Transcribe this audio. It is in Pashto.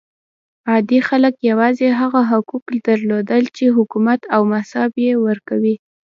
عادي خلک یوازې هغه حقوق درلودل چې حکومت او مذهب یې ورکړي.